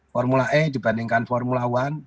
formula e dibandingkan formula one